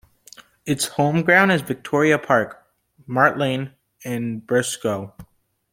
Its home ground is Victoria Park, Mart Lane, in Burscough.